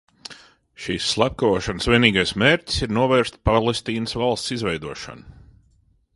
Šīs slepkavošanas vienīgais mērķis ir novērt Palestīnas valsts izveidošanu.